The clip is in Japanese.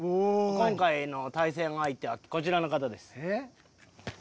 今回の対戦相手はこちらの方です。